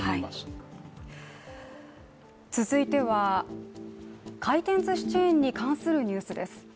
続いては回転ずしチェーンに関するニュースです。